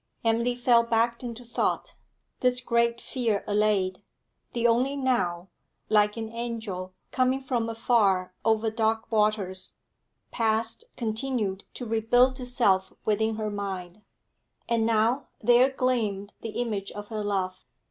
Emily fell back into thought; this great fear allayed, the only now, like an angel coming from afar over dark waters, past continued to rebuild itself within her mind. And now, there gleamed the image of her love.